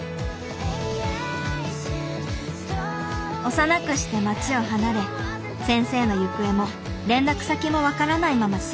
幼くして町を離れ先生の行方も連絡先も分からないまま過ぎた１２年。